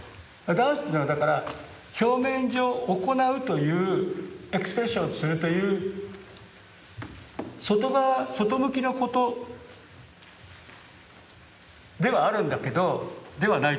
ダンスというのはだから表面上行うというエクスプレッションするという外側外向きのことではあるんだけど「ではない」と言わないよ。